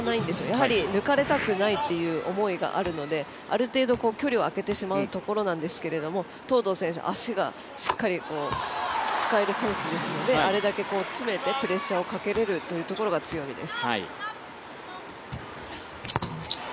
やはり抜かれたくないという思いがあるのである程度、距離を開けてしまうところなんですが東藤選手、足がしっかり使える選手ですのであれだけ詰めてプレッシャーをかけれるってところが強みです。